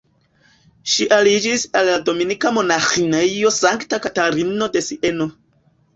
Ŝi aliĝis al la Dominika monaĥinejo Sankta Katarino de Sieno.